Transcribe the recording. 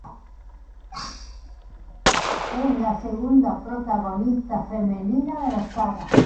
Es la segunda protagonista femenina de la saga.